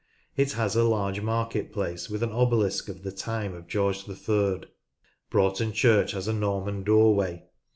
It has a large market place with an obelisk of the time ot George III. Broughton Church has a Norman doorway.